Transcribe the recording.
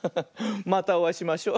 またおあいしましょ。